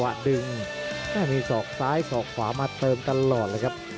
แทนเสือไปสกซ้ายสกขวามาเติมตลอดเลยครับ